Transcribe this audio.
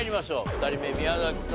２人目宮崎さん